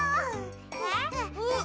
えっ？